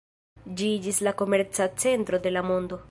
Ĝi iĝis la komerca centro de la mondo.